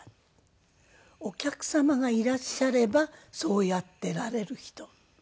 お客様がいらっしゃればそうやっていられる人。